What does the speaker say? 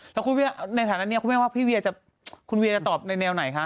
แล้วในสถานะนี้คุณเวียจะตอบในแนวไหนคะ